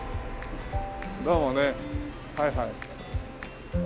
どうもねはいはい。